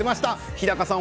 日高さん